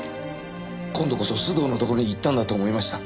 今度こそ須藤のところに行ったんだと思いました。